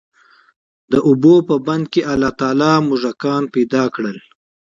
د اوبو په بند کي الله تعالی موږکان پيدا کړل،